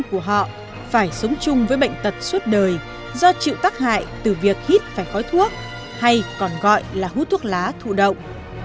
của họ phải sống chung với bệnh tật suốt đời do chịu tác hại từ việc hít phải khói thuốc hay còn gọi là hút thuốc lá thụ động